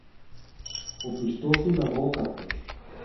Ο πιστός σου Λαγόκαρδος